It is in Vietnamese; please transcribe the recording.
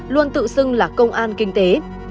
luôn tự xưng là công an kinh tế